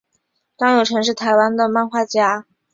张友诚是台湾的漫画家。